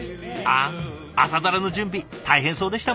あ「朝ドラ」の準備大変そうでしたもんね。